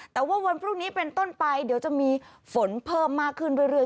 แต่ว่าวันพรุ่งนี้เป็นต้นไปเดี๋ยวจะมีฝนเพิ่มมากขึ้นเรื่อย